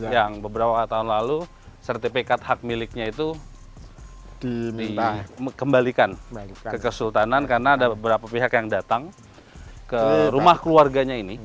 yang beberapa tahun lalu sertifikat hak miliknya itu dikembalikan ke kesultanan karena ada beberapa pihak yang datang ke rumah keluarganya ini